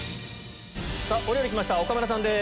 お料理来ました岡村さんです。